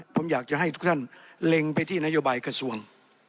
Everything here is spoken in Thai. ผมอยากจะให้ทุกท่านเล็งไปที่นโยบายกระทรวง